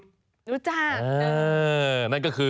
รู้จักนั่นก็คือ